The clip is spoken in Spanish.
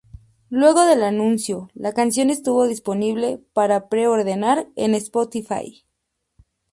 Luego del anuncio, la canción estuvo disponible para pre-ordenar en Spotify.